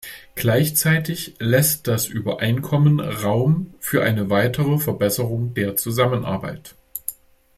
Gleichzeitig lässt das Übereinkommen Raum für eine weitere Verbesserung der Zusammenarbeit.